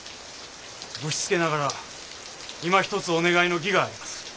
ぶしつけながらいまひとつお願いの儀があります。